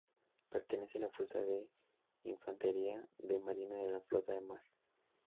Pertenece a la Fuerza de Infantería de Marina de la Flota de Mar.